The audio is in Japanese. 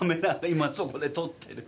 今そこで撮ってる。